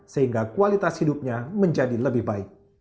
sehingga kualitas hidupnya menjadi lebih baik